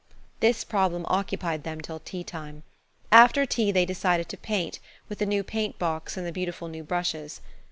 This problem occupied them till tea time. After tea they decided to paint–with the new paint box and the beautiful new brushes.